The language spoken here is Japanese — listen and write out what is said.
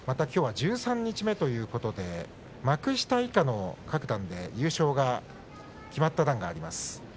きょうは十三日目ということで幕下以下の各段で優勝が決まった段があります。